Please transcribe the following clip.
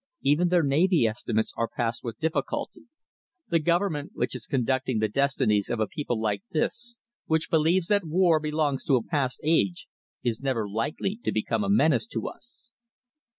Even their navy estimates are passed with difficulty. The Government which is conducting the destinies of a people like this, which believes that war belongs to a past age, is never likely to become a menace to us."